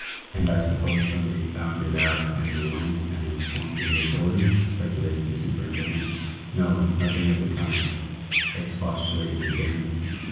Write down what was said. " And I suppose somebody found it out and went and informed the authorities ?" speculated the superintendent. "No; nothing of the kind," expostulated the dame.